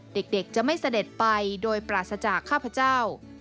เด็กจะไม่เสด็จไปโดยปราศจากข้าพเจ้า